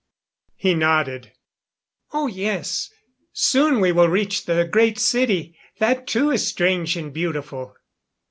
He nodded. "Oh yes. Soon we will reach the Great City. That too is strange and beautiful."